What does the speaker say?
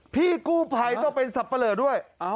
พี่กู้ภัยต้องเป็นสับปะเลอด้วย